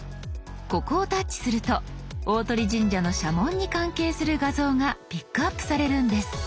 ここをタッチすると大鳥神社の社紋に関係する画像がピックアップされるんです。